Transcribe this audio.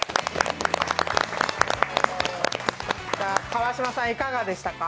川島さん、いかがでしたか？